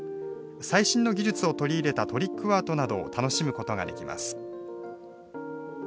最新の技術を取り入れたトリックアートなどを楽しむことができます。